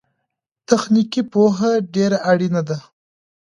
تخنيکي پوهه ډېره اړينه ده.